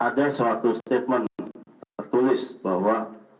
ada suatu statement tertulis bahwa